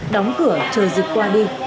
đóng cửa chờ dịch qua đi